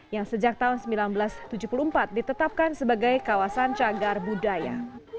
yang sejak tahun seribu sembilan ratus tujuh puluh empat ditetapkan sebagai kawasan cagar budaya